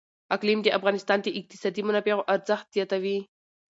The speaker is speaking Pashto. اقلیم د افغانستان د اقتصادي منابعو ارزښت زیاتوي.